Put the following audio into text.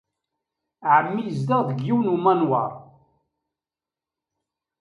Ɛemmi yezdeɣ deg yiwen n umanwaṛ.